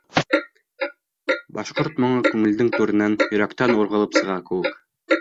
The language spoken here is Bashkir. — Башҡорт моңо күңелдең түренән, йөрәктән урғылып сыға кеүек.